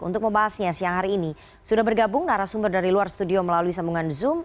untuk membahasnya siang hari ini sudah bergabung narasumber dari luar studio melalui sambungan zoom